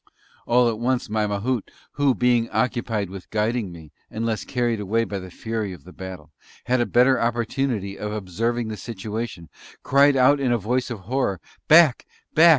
All at once my Mahout, who, being occupied with guiding me, and less carried away by the fury of the battle, had a better opportunity of observing the situation, cried out in a voice of horror, "_Back!